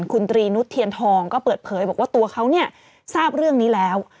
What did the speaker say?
คุณตรีนุษเทียนทองก็เปิดเผยบอกว่าตัวเขาเนี่ยทราบเรื่องนี้แล้ว